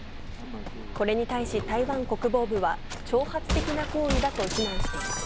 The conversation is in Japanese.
これに対し、台湾国防部は、挑発的な行為だと非難しています。